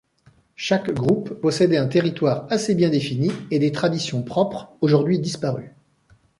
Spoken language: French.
Chaque groupe possédait un territoire assez bien défini et des traditions propres, aujourd'hui disparues.